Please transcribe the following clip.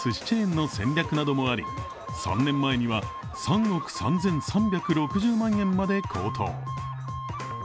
チェーンの戦略などもあり３年前には３億３３６０万円まで高騰。